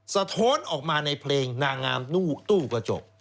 สะท้อนออกมาในเพลงนางงามตู้กระจก